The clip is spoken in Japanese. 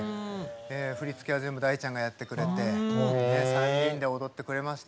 振り付けは全部大ちゃんがやってくれて３人で踊ってくれました。